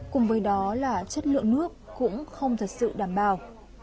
cùng với đó là chất lượng nước cũng không thật sự đảm bảo